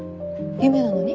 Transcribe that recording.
夢なのに。